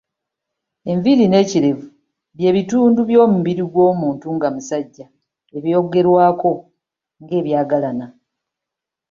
Enviiri n'ekirevu byebitundu by’omubiri gw’omuntu nga musajja ebyogerwako nga ebyagalana.